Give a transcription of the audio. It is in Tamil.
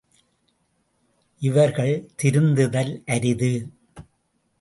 இவர்கள் திருந்துதல் அரிது.